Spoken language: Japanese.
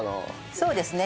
そうですね。